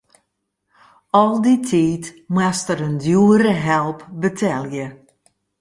Al dy tiid moast er in djoere help betelje.